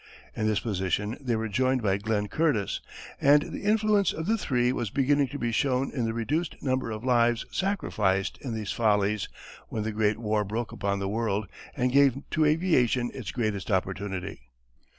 In this position they were joined by Glenn Curtis, and the influence of the three was beginning to be shown in the reduced number of lives sacrificed in these follies when the Great War broke upon the world and gave to aviation its greatest opportunity.